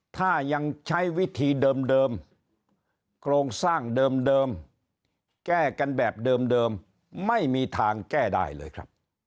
ถ้ายังใช้วิธีเดิมโครงสร้างเดิมแก้กันแบบเดิมไม่มีทางแก้ได้เลยครับ